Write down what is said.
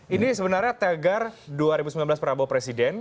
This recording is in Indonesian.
ini sebenarnya tegar dua ribu sembilan belas prabowo presiden